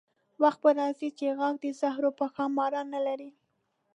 وخت به راځي چې غاښ د زهرو به ښامار نه لري.